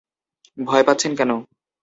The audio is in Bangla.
ভয় পাচ্ছেন কেন?